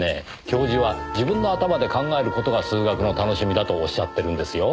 教授は自分の頭で考える事が数学の楽しみだとおっしゃってるんですよ？